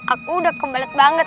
aku udah kembalik banget